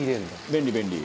便利便利」